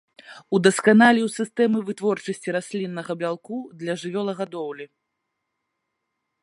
Удасканаліў сістэмы вытворчасці расліннага бялку для жывёлагадоўлі.